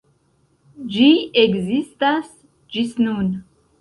Ĝi ekzistas ĝis nun.